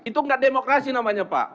itu nggak demokrasi namanya pak